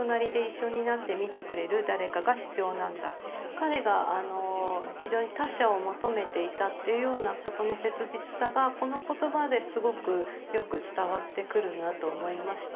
彼が非常に他者を求めていたというようなことの切実さがこの言葉ですごくよく伝わってくるなと思いまして。